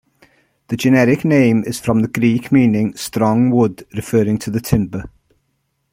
The generic name is from the Greek meaning "strong wood", referring to the timber.